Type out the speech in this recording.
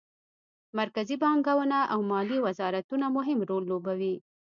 مرکزي بانکونه او د مالیې وزارتونه مهم رول لوبوي